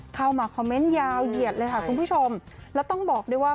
เข้ามาคอมเมนต์ยาวเหยียดเลยค่ะคุณผู้ชมแล้วต้องบอกด้วยว่า